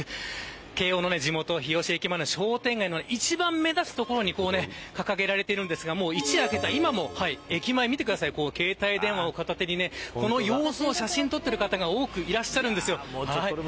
慶応の地元、日吉駅前の商店街の一番目立つ所に掲げられていますが一夜明けた今も駅前、見てください携帯電話を片手にこの様子を写真に撮っている方が多くいらっしゃいます。